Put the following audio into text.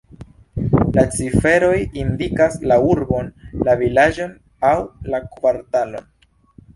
La ciferoj indikas la urbon, la vilaĝon aŭ la kvartalon.